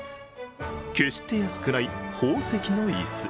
決して安くない、宝石の椅子。